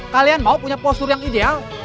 kalian mau punya postur yang ideal